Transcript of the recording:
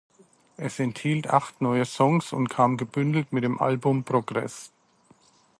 Es enthielt acht neue Songs und kam gebündelt mit dem Album "Progress".